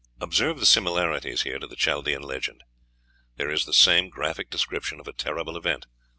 Observe the similarities here to the Chaldean legend. There is the same graphic description of a terrible event.